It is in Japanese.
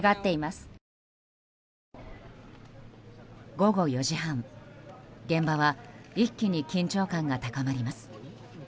午後４時半、現場は一気に緊張感が高まります。